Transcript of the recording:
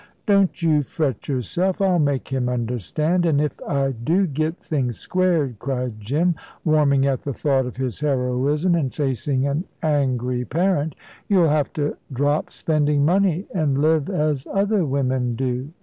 "Don't you fret yourself, I'll make him understand. An' if I do get things squared," cried Jim, warming at the thought of his heroism in facing an angry parent, "you'll have to drop spending money, an' live as other women do."